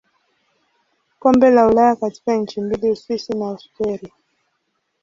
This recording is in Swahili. Kombe la Ulaya katika nchi mbili Uswisi na Austria.